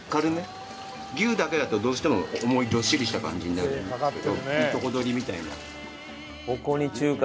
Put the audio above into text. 牛だけだとどうしても重いどっしりした感じになるんですけどいいとこ取りみたいな。